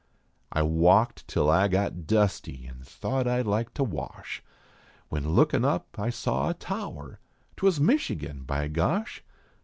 I \valked till I got dusty an thought I d like to wash, When lookin up I saw a tower twas Michigan, by gosh